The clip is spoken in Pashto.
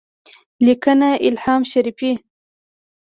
لیکنه الهام شریفي